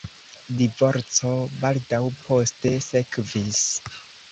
Divorco baldaŭ poste sekvis.